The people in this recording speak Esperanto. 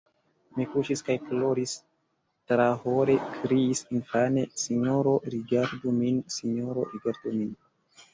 Mi kuŝis kaj ploris, trahore kriis infane: Sinjoro, rigardu min! Sinjoro, rigardu min!